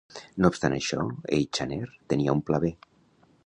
No obstant això, Eychaner tenia un pla B.